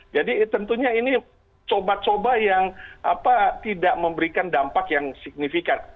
jadi tentunya ini coba coba yang tidak memberikan dampak yang signifikan